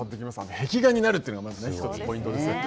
壁画になるというのがまず１つポイントですよね。